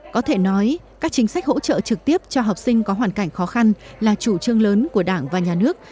có thể nói các chính sách hỗ trợ trực tiếp cho học sinh có hoàn cảnh khó khăn là chủ trương lớn của đảng và nhà nước